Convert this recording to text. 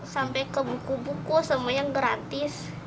sampai ke buku buku semuanya gratis